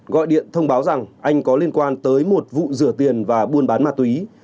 gọi điện thông báo rằng anh có liên quan tới một vụ rửa tiền và buôn bán ma túy